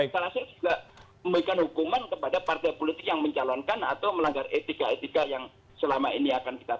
salah satu juga memberikan hukuman kepada partai politik yang mencalonkan atau melanggar etika etika yang selama ini akan kita lakukan